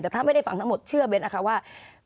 แต่ถ้าไม่ได้ฟังทั้งหมดเชื่อเบ้นนะคะว่า